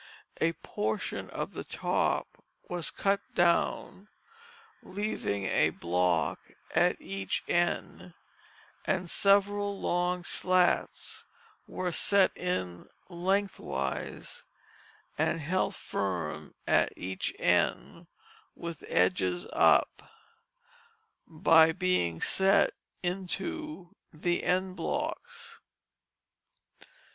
A portion of the top was cut down leaving a block at each end, and several long slats were set in lengthwise and held firm at each end with edges up, by being set into the end blocks.